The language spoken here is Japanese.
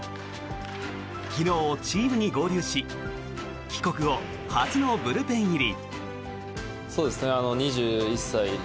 昨日、チームに合流し帰国後初のブルペン入り。